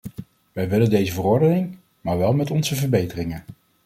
Wij willen deze verordening, maar wel met onze verbeteringen.